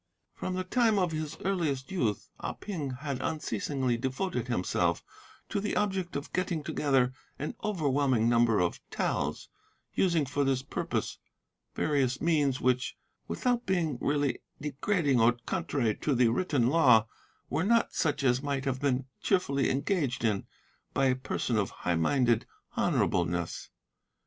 "From the time of his earliest youth Ah Ping had unceasingly devoted himself to the object of getting together an overwhelming number of taels, using for this purpose various means which, without being really degrading or contrary to the written law, were not such as might have been cheerfully engaged in by a person of high minded honourableness.